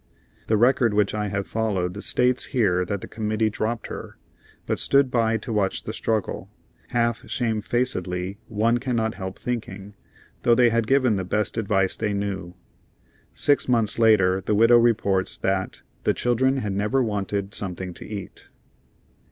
The record which I have followed states here that the committee dropped her, but stood by to watch the struggle, half shamefacedly one cannot help thinking, though they had given the best advice they knew. Six months later the widow reports that "the children had never wanted something to eat."